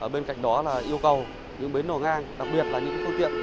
bên cạnh đó là yêu cầu những bến đồ ngang đặc biệt là những phương tiện